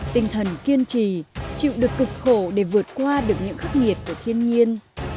tinh thần kiên trì chịu được cực khổ để vượt qua được những khắc nghiệt của thiên nhiên